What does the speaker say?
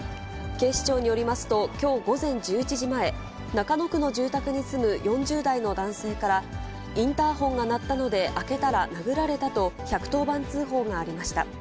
警視庁によりますと、きょう午前１１時前、中野区の住宅に住む４０代の男性から、インターホンが鳴ったので開けたら殴られたと、１１０番通報がありました。